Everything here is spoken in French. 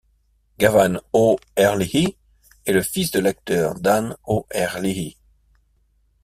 Gavan O'Herlihy est le fils de l'acteur Dan O'Herlihy.